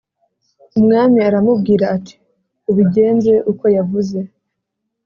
Umwami aramubwira ati “Ubigenze uko yavuze